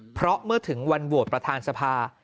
เพราะเมื่อถึงวันโหวตประธานสภา